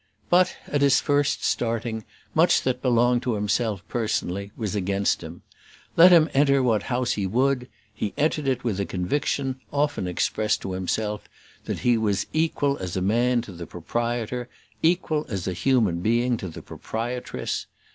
But, at his first starting, much that belonged to himself personally was against him. Let him enter what house he would, he entered it with a conviction, often expressed to himself, that he was equal as a man to the proprietor, equal as a human being to the proprietress.